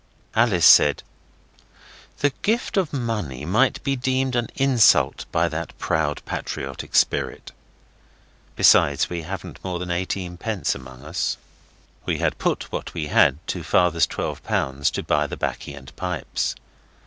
Alice said, 'The gift of money might be deemed an insult by that proud, patriotic spirit. Besides, we haven't more than eighteenpence among us.' We had put what we had to father's L12 to buy the baccy and pipes.